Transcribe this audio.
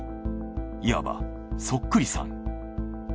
いわばそっくりさん。